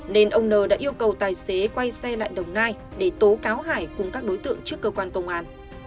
nên ông n đã yêu cầu tài xế quay xe lại đồng nai để tố cáo hải cùng các đối tượng trước cơ quan công an